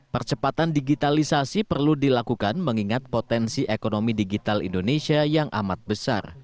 percepatan digitalisasi perlu dilakukan mengingat potensi ekonomi digital indonesia yang amat besar